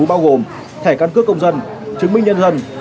bao gồm thẻ căn cước công dân chứng minh nhân dân